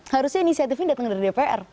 harusnya inisiatif ini datang dari dpr